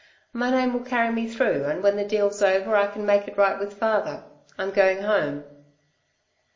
My name will carry me through and when the deal's over I can make it right with father. I'm going home."